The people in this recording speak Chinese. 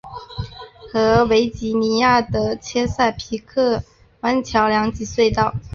和维吉尼亚的切塞皮克湾桥梁及隧道。